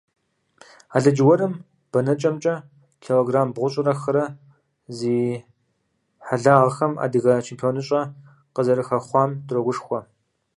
Алыдж-урым бэнэкӏэмкӏэ килограмм бгъущӏрэ хырэ зи хьэлъагъхэм адыгэ чемпионыщӏэ къызэрыхэхъуам дрогушхуэ!